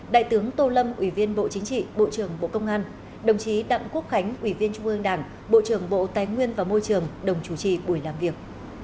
đại tướng tô lâm ủy viên bộ chính trị bộ trưởng bộ công an đồng chí đặng quốc khánh ủy viên trung ương đảng bộ trưởng bộ tài nguyên và môi trường đồng chủ trì buổi làm việc